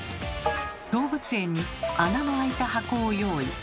動物園に穴のあいた箱を用意。